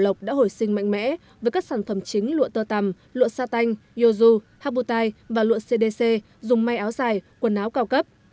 lộc đã hồi sinh mạnh mẽ với các sản phẩm chính lụa tơ tằm lụa sanh yoju habutai và lụa cdc dùng may áo dài quần áo cao cấp